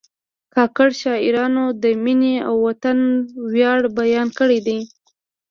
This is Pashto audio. کاکړ شاعرانو د مینې او وطن ویاړ بیان کړی دی.